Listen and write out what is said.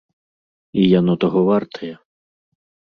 І яно таго вартае.